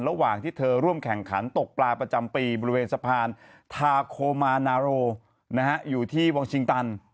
ระหว่างที่เธอร่วมแข่งขันตกปลาประจำปีบริเวณสะพานทาโคมานาโรอยู่ที่วังชิงตัน